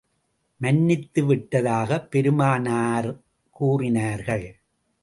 மன்னித்து விட்டதாகப் பெருமானார் கூறினார்கள்.